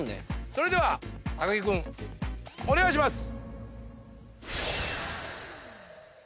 それでは木君お願いします！